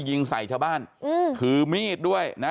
ยิงใส่เถอะบ้านถือเมียดด้วยนะ